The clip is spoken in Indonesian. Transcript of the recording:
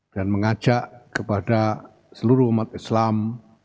dan mengajak kepada seluruh umat islam